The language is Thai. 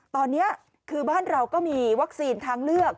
ตอนนี้คือบ้านเราก็มีวัคซีนทางเลือก